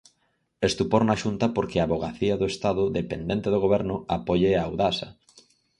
Estupor na Xunta porque a avogacía do Estado, dependente do Goberno, apoie a Audasa.